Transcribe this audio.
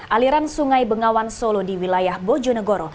aliran sungai bengawan solo di wilayah bojonegoro